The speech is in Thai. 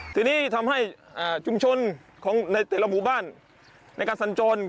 ทีนี้ทำให้ชุมชนของในแต่ละหมู่บ้านในการสัญจร